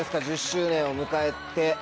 １０周年を迎えて。